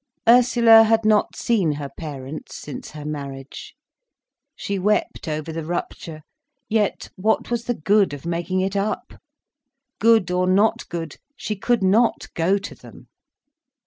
Ursula had not seen her parents since her marriage. She wept over the rupture, yet what was the good of making it up! Good or not good, she could not go to them.